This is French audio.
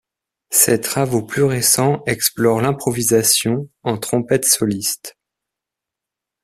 Ses travaux plus récents explorent l'improvisation en trompette soliste.